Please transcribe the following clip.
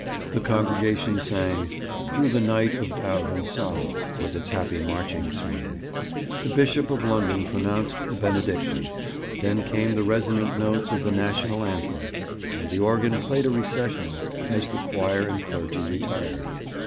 The congregation sang 'Through the night of doubt and sorrow,' with its happy marching swing; the Bishop of London pronounced the Benediction; then came the resonant notes of the National Anthem; and the organ played a recessional as the choir and clergy retired.